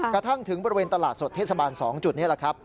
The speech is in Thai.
กระทั่งถึงบริเวณตลาดสดเทศบาล๒จุดนี้แหละครับ